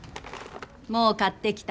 もう買ってきた。